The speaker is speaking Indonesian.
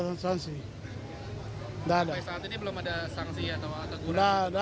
saat ini belum ada sanksi atau